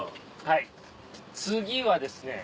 はい次はですね